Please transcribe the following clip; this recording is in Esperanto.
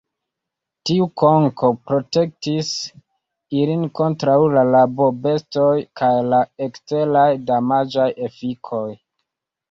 Tiu konko protektis ilin kontraŭ la rabobestoj kaj la eksteraj damaĝaj efikoj.